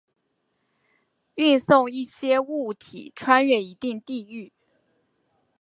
运送一些物体穿越一定地域。